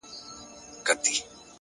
د زاړه عکس څنډې تل لږ تاو وي.!